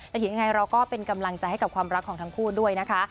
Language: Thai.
แต่ถึงยังไงเราก็เป็นกำลังใจให้กับความรักของทั้งคู่ด้วยนะคะ